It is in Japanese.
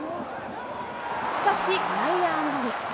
しかし、内野安打に。